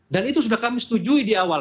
dan itu sudah kami setujui di awal